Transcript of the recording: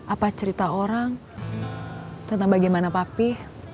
apa cerita orang tentang bagaimana papi